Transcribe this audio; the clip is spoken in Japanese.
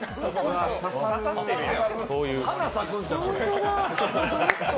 花咲くんちゃう？